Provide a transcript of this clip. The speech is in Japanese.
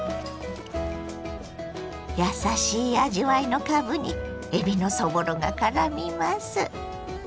やさしい味わいのかぶにえびのそぼろがからみます。